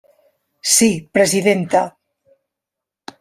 Sí, presidenta.